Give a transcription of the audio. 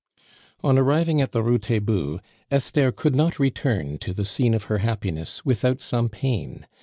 On arriving at the Rue Taitbout, Esther could not return to the scene of her happiness without some pain.